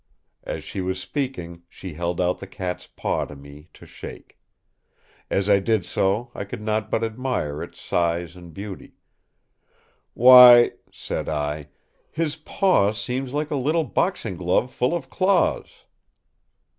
As she was speaking she held out the cat's paw to me to shake. As I did so I could not but admire its size and beauty. "Why," said I, "his paw seems like a little boxing glove full of claws."